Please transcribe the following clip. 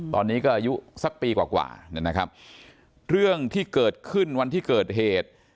ตอนนี้ก็อายุสักปีกว่ากว่านะครับเรื่องที่เกิดขึ้นวันที่เกิดเหตุ